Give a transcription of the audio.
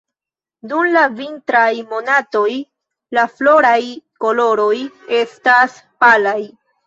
Dum la vintraj monatoj, la floraj koloroj estas palaj.